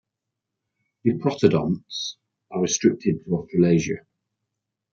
Diprotodonts are restricted to Australasia.